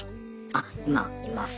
あ今います。